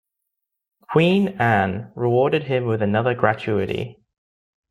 Queen Anne rewarded him with another gratuity.